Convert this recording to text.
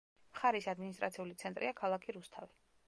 მხარის ადმინისტრაციული ცენტრია ქალაქი რუსთავი.